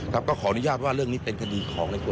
ก็ขออนุญาตว่าเรื่องนี้เป็นคดีของในตัว